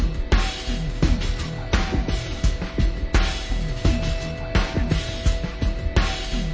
มันก็ไม่งั้นแห็งพูดอยู่แถวงานแล้ว